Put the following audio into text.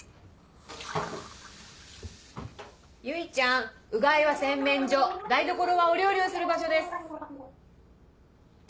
結ちゃんうがいは洗面所台所はお料理をする場所です。